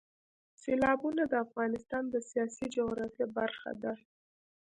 سیلابونه د افغانستان د سیاسي جغرافیه برخه ده.